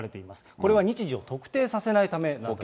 これは日時を特定させないためなんです。